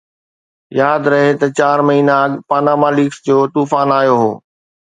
ياد رهي ته ٽي چار مهينا اڳ پاناما ليڪس جو طوفان آيو هو